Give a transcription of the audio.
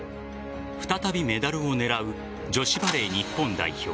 再びメダルを狙う女子バレー日本代表